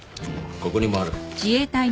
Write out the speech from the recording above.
ここにもある。